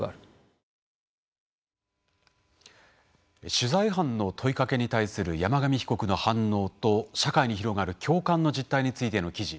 取材班の問いかけに対する山上被告の反応と社会に広がる共感についての記事。